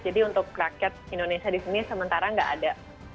jadi untuk rakyat indonesia di sini sementara nggak ada